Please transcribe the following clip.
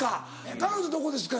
彼女どこですか？